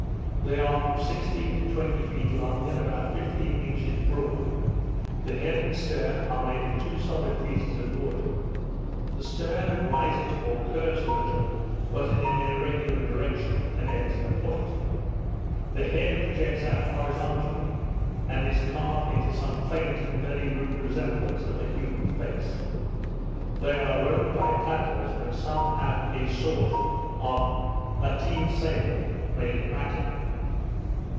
They are from sixteen to twenty feet long, and about fifteen inches broad; the head and stern are made of two solid pieces of wood; the stern rises or curves a little, but in an irregular direction, and ends in a point; the head projects out horizontally, and is carved into some faint and very rude resemblance of a human face. They are rowed by paddles, and some have a sort of lateen sail, made of matting.